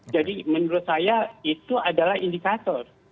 menurut saya itu adalah indikator